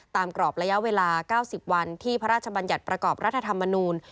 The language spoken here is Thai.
กรอบระยะเวลา๙๐วันที่พระราชบัญญัติประกอบรัฐธรรมนูล